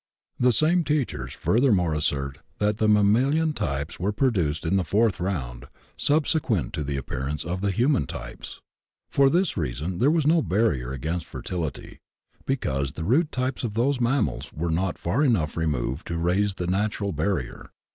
The same teachers furthermore assert that the mam malian types were produced in the fourth round, sub sequent to the appearance of the human types. For this reason there was no barrier against fertility, because the root types of those mammals were not far enough removed to raise the natural barrier.